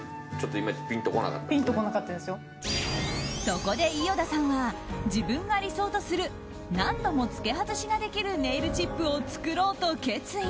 そこで、伊與田さんは自分が理想とする何度もつけ外しができるネイルチップを作ろうと決意。